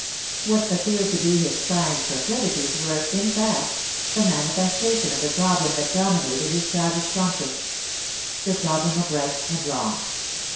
What appeared to be his spying proclivities were, in fact, a manifestation of the problem that dominated his childish conscience: the problem of right and wrong.